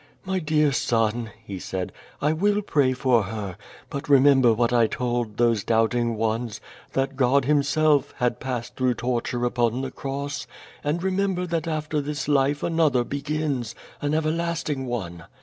"My dear son," he said, "I will pray for her, but remember what I told those doubting ones: that God himself, had passed through torture upon the cross; and remember that after this life another begins — an everlasting one."